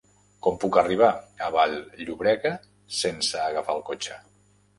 Com puc arribar a Vall-llobrega sense agafar el cotxe?